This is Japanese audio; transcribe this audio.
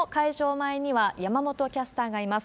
前には山本キャスターがいます。